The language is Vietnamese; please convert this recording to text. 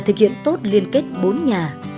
thực hiện tốt liên kết bốn nhà